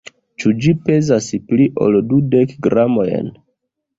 Ĉu ĝi pezas pli ol dudek gramojn?